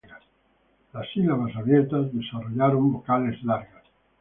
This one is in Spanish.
Las sílabas abiertas desarrollaron vocales largas.